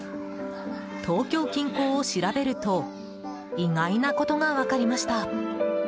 東京近郊を調べると意外なことが分かりました。